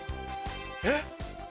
えっ？